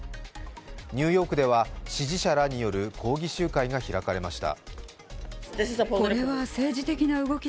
ニューヨークでは、支持者らによる抗議集会が開かれました。